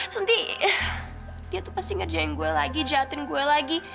nanti dia tuh pasti ngerjain gue lagi jahatin gue lagi